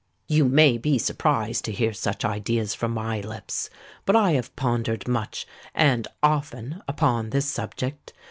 "You may be surprised to hear such ideas from my lips; but I have pondered much and often upon this subject.